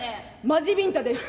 マジビンタです。